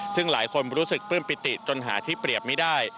ซึ่งหลายคนรู้สึกปลื้มปิติจนหาที่เปรียบไม่ได้